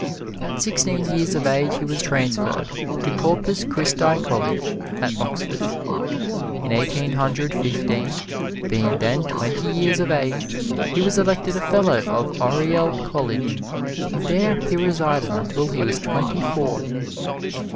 At sixteen years of age he was transferred to Corpus Christi College at Oxford. In Eighteen Hundred Fifteen, being then twenty years of age, he was elected a Fellow of Oriel College, and there he resided until he was twenty four.